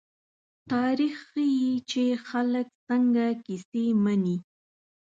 تاریخ ښيي، چې خلک څنګه کیسې مني.